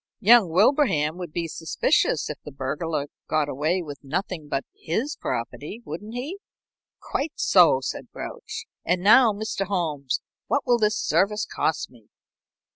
"Young Wilbraham would be suspicious if the burglar got away with nothing but his property, wouldn't he?" "Quite so," said Grouch. "And now, Mr. Holmes, what will this service cost me?"